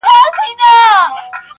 نیکه ویل چي دا پنځه زره کلونه کیږي.!